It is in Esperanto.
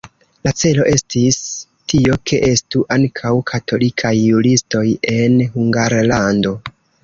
La celo estis tio, ke estu ankaŭ katolikaj juristoj en Hungarlando.